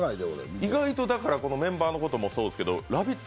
意外とメンバーのこともそうですけど、ラヴィット！